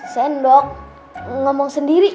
sendok ngomong sendiri